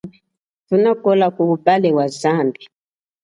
Thunakola kuwupale wa zambi.